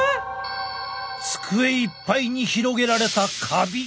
机いっぱいに広げられたカビ。